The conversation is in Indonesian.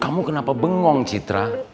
kamu kenapa bengong citra